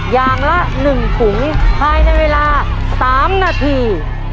อย่างละหนึ่งถุงภายในเวลาสามนาที